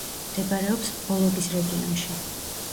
მდებარეობს პოლოგის რეგიონში.